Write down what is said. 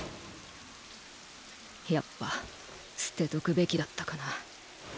やっぱ捨てとくべきだったかな。